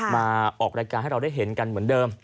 มาออกรายการให้เราได้เห็นกันเหมือนเดิม